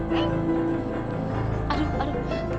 neng aduh aduh